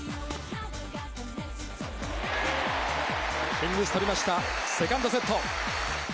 ヒンギス取りましたセカンドセット。